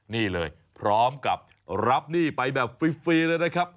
นี่เลยพร้อมกับรับหนี้ไปแบบฟรีเลยนะครับ